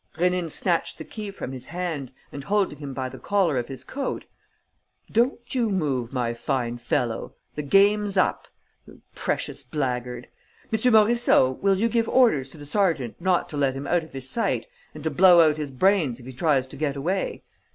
Rénine snatched the key from his hand and, holding him by the collar of his coat: "Don't you move, my fine fellow! The game's up! You precious blackguard! M. Morisseau, will you give orders to the sergeant not to let him out of his sight and to blow out his brains if he tries to get away?